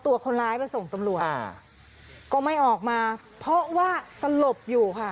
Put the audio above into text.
ตัวคนร้ายมาส่งตำรวจอ่าก็ไม่ออกมาเพราะว่าสลบอยู่ค่ะ